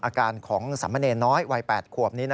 อาการของสามเณรน้อยวัย๘ขวบนี้